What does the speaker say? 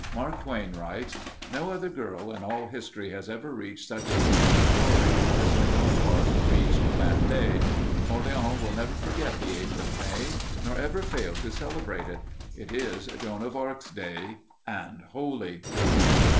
Mark Twain writes: No other girl in all history has ever reached such a summit of glory as Joan of Arc reached that day.... Orleans will never forget the eighth of May, nor ever fail to celebrate it. It is Joan of Arc's day and holy.